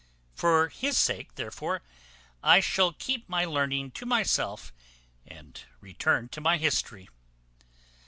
For his sake therefore I shall keep my learning to myself, and return to my history.